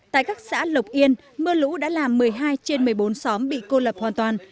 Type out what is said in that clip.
tại các xã lộc yên mưa lũ đã làm một mươi hai trên một mươi bốn xóm bị cô lập hoàn toàn